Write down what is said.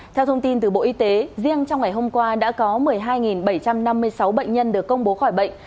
theo thông tin từ bộ y tế riêng trong ngày hôm qua đã có một mươi hai bảy trăm năm mươi sáu bệnh nhân được công bố khỏi bệnh